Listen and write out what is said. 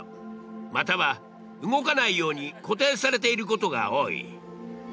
または動かないように固定されていることが多い。